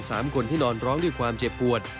เพื่อนคนงาน๓คนที่นอนร้องด้วยความเจ็บปวด